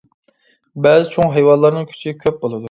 بەزى چوڭ ھايۋانلارنىڭ كۈچى كۆپ بولىدۇ.